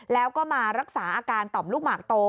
แล้วก็มารักษาอาการต่อมลูกหมากโต